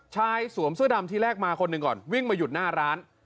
สวมเสื้อดำทีแรกมาคนหนึ่งก่อนวิ่งมาหยุดหน้าร้าน